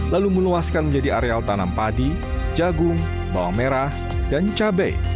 lalu meluaskan menjadi areal tanam padi jagung bawang merah dan cabai